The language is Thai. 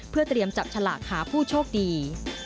เพื่อเตรียมจับฉลากหาผู้โชคดี